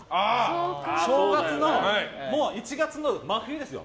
正月の１月の真冬ですよ。